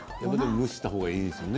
蒸したほうがいいんですね